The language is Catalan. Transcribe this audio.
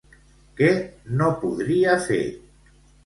Què no podria fer?